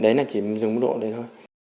đấy là chỉ dùng mức độ đấy thôi